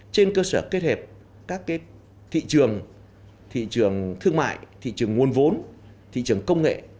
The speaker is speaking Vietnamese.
trên cơ sở kết hợp các thị trường thương mại thị trường nguồn vốn thị trường công nghệ